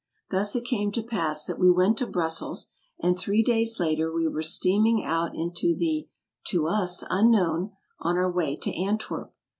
Thus it came to pass that we went to Brussels, and three days later we were steaming out into the (to us) unknown, on our way to Antwerp.